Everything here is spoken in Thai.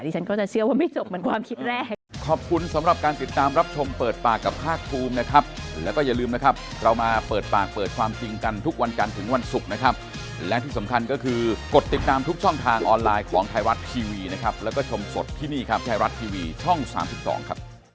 ฉันก็จะเชื่อว่าไม่จบเหมือนความคิดแรก